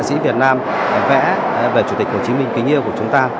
các họa sĩ việt nam vẽ về chủ tịch hồ chí minh kỷ niệm của chúng ta